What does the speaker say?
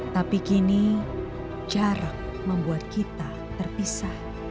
tapi kini jarak membuat kita terpisah